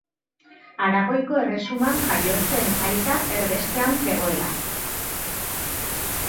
Aragoiko erresuman jaio zen aita erbestean zegoela.